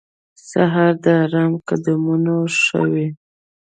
سهار د آرام قدمونه ښووي.